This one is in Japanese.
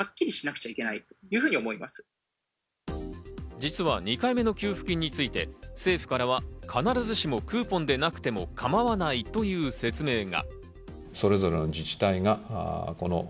実は２回目の給付金について政府からは必ずしもクーポンでなくても構わないという説明が。